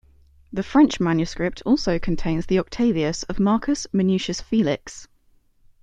The French manuscript also contains the "Octavius" of Marcus Minucius Felix.